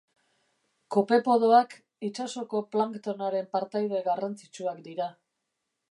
Kopepodoak itsasoko planktonaren partaide garrantzitsuak dira